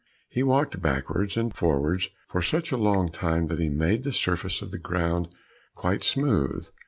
He walked backwards and forwards for such a long time that he made the surface of the ground quite smooth.